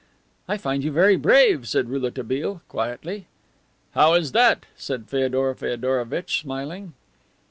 "I find you very brave," said Rouletabille quietly. "How is that?" said Feodor Feodorovitch, smiling.